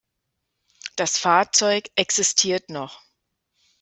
Das Fahrzeug existiert noch.